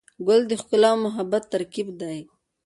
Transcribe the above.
ګل د ښکلا او محبت ترکیب دی.